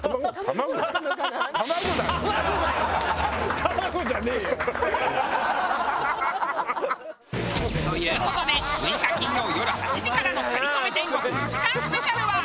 卵じゃねえよ。という事で６日金曜よる８時からの『かりそめ天国』２時間スペシャルは。